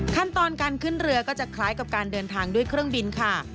ขั้นตอนการขึ้นเรือก็จะคล้ายกับการเดินทางด้วยเครื่องบินค่ะ